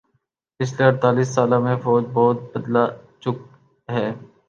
پچھلے اڑتالیس سالہ میں فوج بہت بدلہ چک ہے